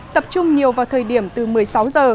tập trung nhiều vào thời điểm từ một mươi sáu giờ